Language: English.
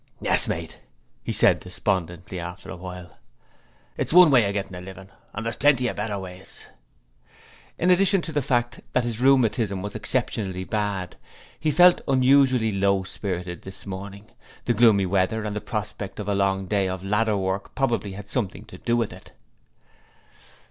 'Yes, mate,' he said despondently, after a while. 'It's one way of gettin' a livin' and there's plenty better ways.' In addition to the fact that his rheumatism was exceptionally bad, he felt unusually low spirited this morning; the gloomy weather and the prospect of a long day of ladder work probably had something to do with it.